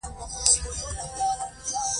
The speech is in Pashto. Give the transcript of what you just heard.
د ټولنیزو سیستمونو او هنري مکتبونو مرکز و.